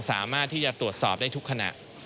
สามารถที่จะตรวจสอบได้ทุกขณะ